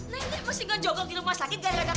nenek masih gak jogokin rumah sakit gara gara kamu